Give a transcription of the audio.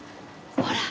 ほら！